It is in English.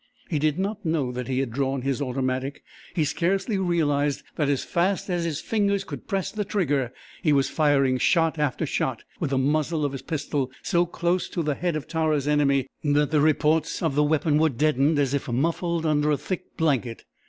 He did not know that he had drawn his automatic; he scarcely realized that as fast as his fingers could press the trigger he was firing shot after shot, with the muzzle of his pistol so close to the head of Tara's enemy that the reports of the weapon were deadened as if muffled under a thick blanket.